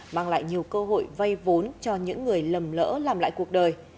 mang lại nhiều cơ hội vay vốn cho những người lầm lỡ làm lại cuộc đời